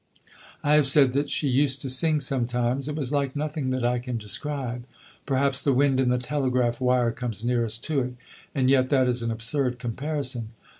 "I have said that she used to sing sometimes. It was like nothing that I can describe. Perhaps the wind in the telegraph wire comes nearest to it, and yet that is an absurd comparison.